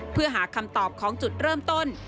เพื่อหาคำตอบของจุดเริ่มต้น